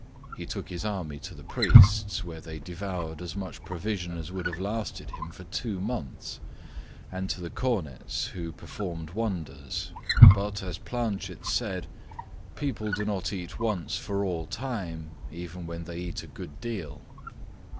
He took his army to the priest's, where they devoured as much provision as would have lasted him for two months, and to the cornet's, who performed wonders; but as Planchet said, "People do not eat at once for all time, even when they eat a good deal."